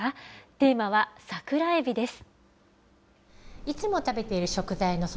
テーマは桜えびです。